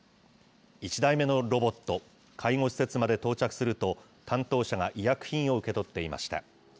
１台目のロボット、介護施設まで到着すると、担当者が医薬品を受け取っていました。